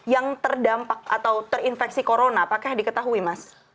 yang terdampak atau terinfeksi corona apakah diketahui mas